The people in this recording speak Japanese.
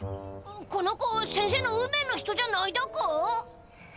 この子せんせの運命の人じゃないだか？